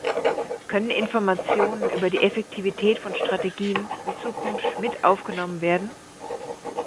Können Informationen über die Effektivität von Strategien in Zukunft mit aufgenommen werden?